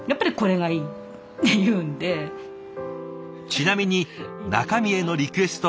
ちなみに中身へのリクエストは一切なし。